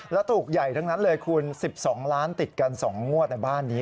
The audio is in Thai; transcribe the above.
แล้วถูกใหญ่ทั้งนั้นเลยคุณ๑๒ล้านติดกัน๒งวดในบ้านนี้